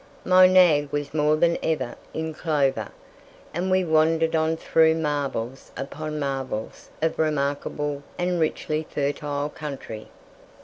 My nag was more than ever "in clover," and we wandered on through marvels upon marvels of remarkable and richly fertile country.